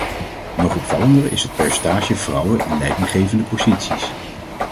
Nog opvallender is het percentage vrouwen in leidinggevende posities.